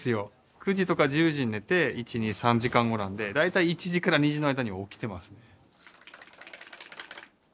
９時とか１０時に寝て１２３時間後なんで大体１時から２時の間に起きてますね。